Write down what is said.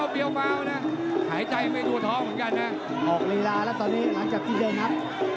ออกรีลาแล้วตอนนี้หลังจากที่ได้นับ